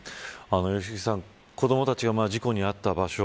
良幸さん、子どもたちが事故に遭った場所